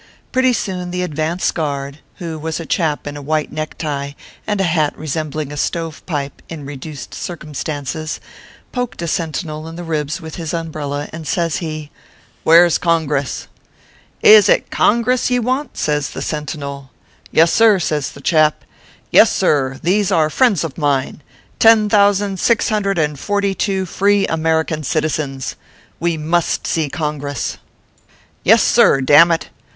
Pretty soon the advance guard, who was a chap in a white neck tie and a hat resembling a stove pipe in reduced circumstances, poked a sentinel in the ribs with his umbrella, and says he :" Where s Congress ?"" Is it Congress ye want ?" says the sentinel. " Yessir !" says the chap. " Yessir. These are friends of mine ten thousand six hundred and forty two free American citizens. We must see Congress. ORPHEUS C. KERB PAPERS. 241 Yessir ! dammit.